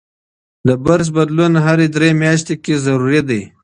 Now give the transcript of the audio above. د برس بدلون هر درې میاشتې اړین دی.